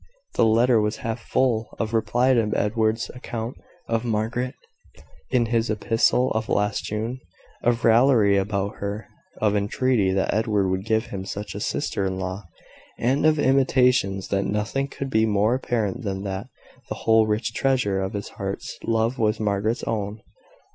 The letter was half full of reply to Edward's account of Margaret, in his epistle of last June of raillery about her, of intreaty that Edward would give him such a sister in law, and of intimations that nothing could be more apparent than that the whole rich treasure of his heart's love was Margaret's own.